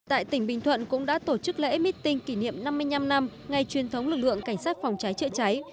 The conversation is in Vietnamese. tại tỉnh bình thuận cũng đã tổ chức lễ meeting kỷ niệm năm mươi năm năm ngày truyền thống lực lượng cảnh sát phòng cháy chữa cháy